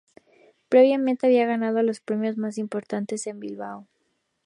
Previamente había ganado los premios más importantes en Bilbao.